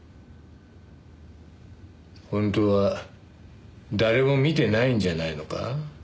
本当は誰も見てないんじゃないのか？